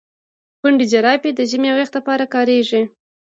پنډي جراپي د ژمي او يخ د پاره کاريږي.